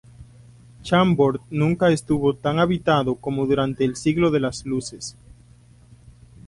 Chambord nunca estuvo tan habitado como durante el Siglo de las Luces.